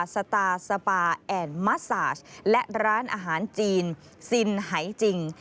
สตาร์สปาแอนด์มัสซาสและร้านอาหารจีนซินหายจริง